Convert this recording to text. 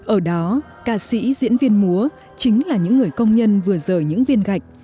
ở đó ca sĩ diễn viên múa chính là những người công nhân vừa rời những viên gạch